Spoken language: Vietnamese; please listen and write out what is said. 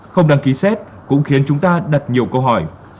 không đăng ký xét cũng khiến chúng ta đặt nhiều câu hỏi